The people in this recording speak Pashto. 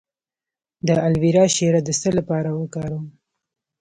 د الوویرا شیره د څه لپاره وکاروم؟